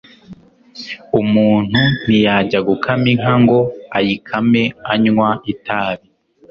Umuntu ntiyajya gukama inka ngo ayikame anywa itabi